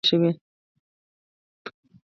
د اقلیم بدلون د کرنیزو تولیداتو ثبات ته خطر پېښوي.